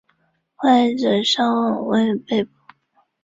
得名于火车头体育场。